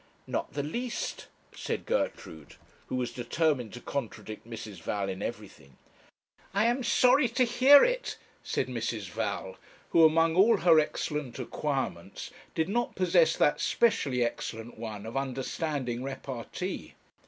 'Not the least,' said Gertrude, who was determined to contradict Mrs. Val in everything. 'I am sorry to hear it,' said Mrs. Val, who among all her excellent acquirements, did not possess that specially excellent one of understanding repartee.